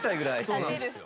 そうなんですよ。